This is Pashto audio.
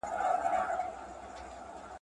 په جنگ کي يو گام د سلو کلو لاره ده.